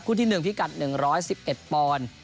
คู่ที่หนึ่งพิกัด๑๑๑ปอน